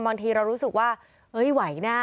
บางทีเรารู้สึกว่าเฮ้ยไหวนะ